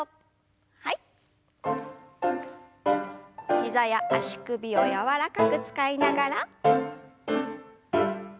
膝や足首を柔らかく使いながら。